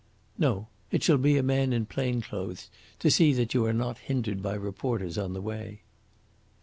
"No. It shall be a man in plain clothes, to see that you are not hindered by reporters on the way."